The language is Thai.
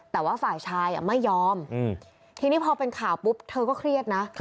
แต่ว่าฝ่ายชายไม่ยอมทีนี้พอเป็นข่าวปุ๊บเธอก็เครียดนะ